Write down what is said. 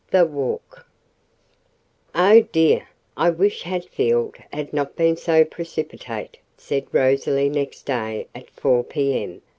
THE WALK "Oh, dear! I wish Hatfield had not been so precipitate!" said Rosalie next day at four P.M.